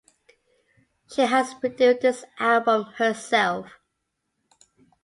She has produced this album herself.